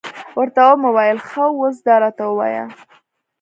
ورته ومې ویل، ښه اوس دا راته ووایه.